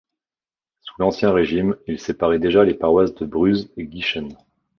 Sous l’Ancien Régime, il séparait déjà les paroisses de Bruz et Guichen.